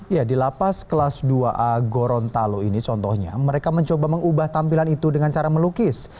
ya di lapas kelas dua a gorontalo ini contohnya mereka mencoba mengubah tampilan itu dengan cara melukis